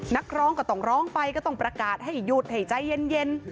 นักร้องก็ต้องร้องไปก็ต้องประกาศให้หยุดให้ใจเย็น